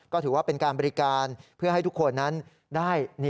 ก็ถือว่าเป็นการบริการเพื่อให้ทุกคนนั้นได้